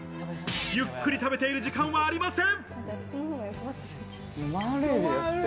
ゆっくり食べている時間はありません。